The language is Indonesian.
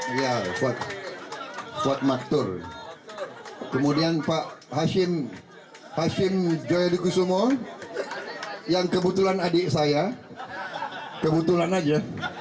buat maktur kemudian pak hashim hashim joya dukusumo yang kebetulan adik saya kebetulan aja